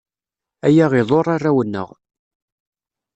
Aya iḍurr arraw-nneɣ.